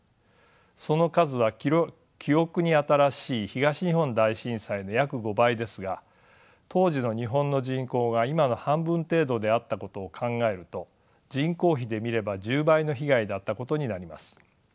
その数は記憶に新しい東日本大震災の約５倍ですが当時の日本の人口が今の半分程度であったことを考えると人口比で見れば１０倍の被害だったことになります。